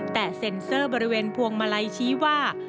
แต่เซ็นเซอร์บริเวณพวงมาลัยชี้ว่า